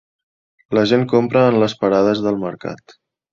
La gent compra en les parades del mercat.